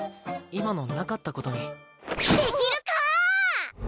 今のなかったことにできるか！